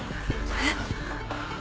えっ？